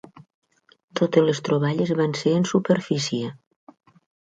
Totes les troballes van ser en superfície.